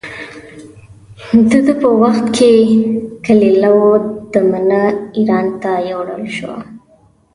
د ده په وخت کې کلیله و دمنه اېران ته یووړل شوه.